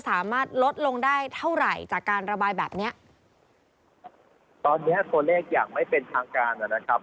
สามารถลดลงได้เท่าไหร่จากการระบายแบบเนี้ยตอนเนี้ยตัวเลขอย่างไม่เป็นทางการนะครับ